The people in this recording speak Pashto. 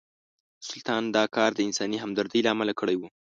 سلطان دا کار د انساني همدردۍ له امله کړی و.